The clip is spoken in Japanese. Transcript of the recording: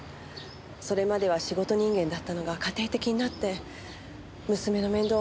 それまでは仕事人間だったのが家庭的になって娘の面倒